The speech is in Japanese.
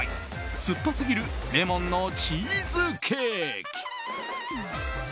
酸っぱすぎるレモンのチーズケーキ。